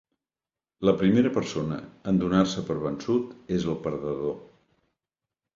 La primera persona en donar-se per vençut és el perdedor.